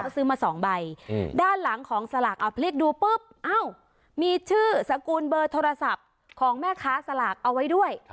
ซื้อมา๒ใบด้านหลังของสลากเอาพลิกดูปุ๊บมีชื่อสกุลเบอร์โทรศัพท์ของแม่ค้าสลากเอาไว้ด้วย